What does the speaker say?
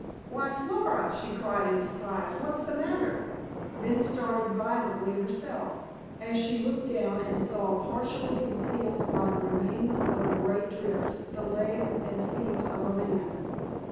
"Why, Flora," she cried in surprise, "what's the matter?" then started violently herself, as she looked down and saw, partially concealed by the remains of a great drift, the legs and feet of a man.